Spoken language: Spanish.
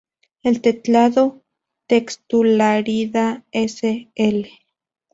El clado Textulariida s.l.